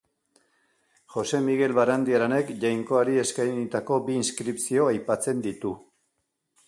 Jose Migel Barandiaranek Jainkoari eskainitako bi inskripzio aipatzen ditu.